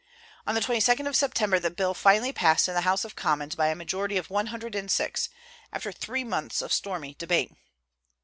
On the 22d of September the bill finally passed in the House of Commons by a majority of one hundred and six, after three months of stormy debate.